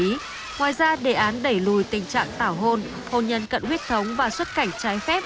ngoài ra đề án đẩy lùi tình trạng tảo hôn hôn nhân cận huyết thống và xuất cảnh trái phép